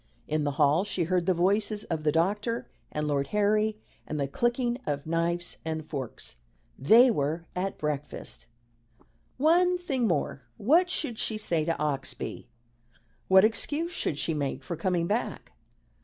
In the hall she heard the voices of the doctor and Lord Harry and the clicking of knives and forks. They were at breakfast. One thing more What should she say to Oxbye? What excuse should she make for coming back?